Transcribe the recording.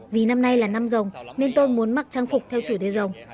vì năm nay là năm rồng nên tôi muốn mặc trang phục theo chủ đề rồng